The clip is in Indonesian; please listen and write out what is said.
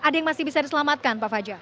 ada yang masih bisa diselamatkan pak fajar